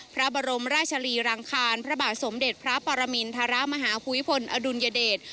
พระบรมราชรีรังคารพระบาทสมเด็จพระปรมินทรมาฮภูมิพลอดุลยเดช